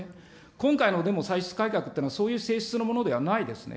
今回のでも歳出改革っていうのは、そういう性質のものではないですね。